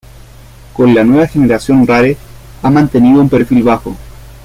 Con la nueva generación Rare ha mantenido un perfil bajo.